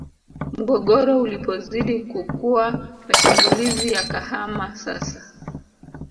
Mgogoro ulipozidi kukua mashambulizi yakahama sasa